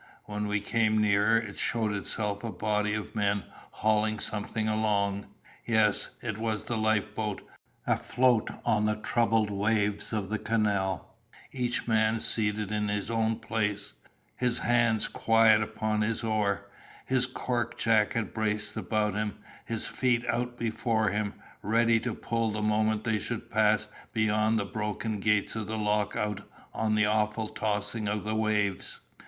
When we came nearer it showed itself a body of men hauling something along. Yes, it was the life boat, afloat on the troubled waves of the canal, each man seated in his own place, his hands quiet upon his oar, his cork jacket braced about him, his feet out before him, ready to pull the moment they should pass beyond the broken gates of the lock out on the awful tossing of the waves.